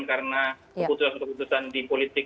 karena keputusan keputusan di politik